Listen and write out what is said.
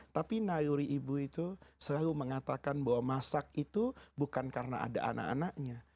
tapi naluri ibu itu selalu mengatakan bahwa masak itu bukan karena ada anak anaknya